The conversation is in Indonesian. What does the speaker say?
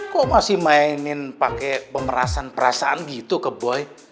kok masih mainin pakai pemerasan perasaan gitu ke boy